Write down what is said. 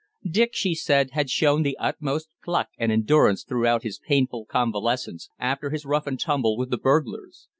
Dick, she said, had shown the utmost pluck and endurance throughout his painful convalescence after his rough and tumble with the burglars.